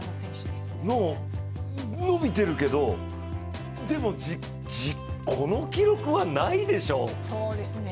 伸びてるけど、でもこの記録はないでしょう。